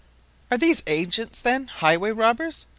"Are these agents, then, highway robbers?"